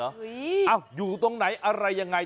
อ่าอยู่ตรงไหนยังไง